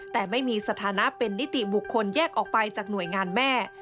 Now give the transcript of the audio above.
แต่ไม่มีสถานะเป็นนิติบุคคลแยกออกไปจากหน่วยงานแม่